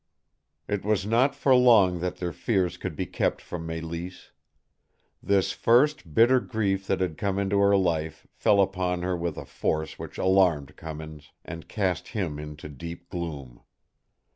It was not for long that their fears could be kept from Mélisse. This first bitter grief that had come into her life fell upon her with a force which alarmed Cummins, and cast him into deep gloom.